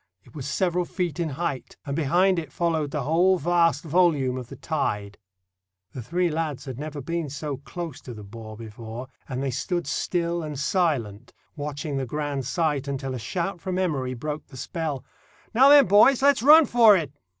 It was several feet in height, and behind it followed the whole vast volume of the tide. The three lads had never been so close to the bore before, and they stood still and silent watching the grand sight until a shout from Emory broke the spell. "Now then, boys, let's run for it."